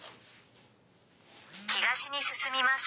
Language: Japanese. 東に進みます。